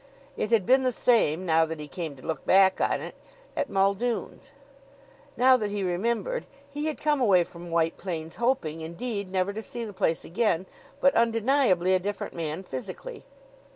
It had been the same, now that he came to look back on it, at Muldoon's. Now that he remembered, he had come away from White Plains hoping, indeed, never to see the place again, but undeniably a different man physically.